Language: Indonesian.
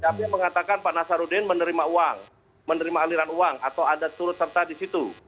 tapi mengatakan pak nasarudin menerima uang menerima aliran uang atau ada turut serta di situ